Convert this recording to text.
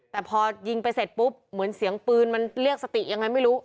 แต่พอยิงไปเสร็จปุ๊บเหมือนเสียงปืนมันเรียกสติยังไงไม่รู้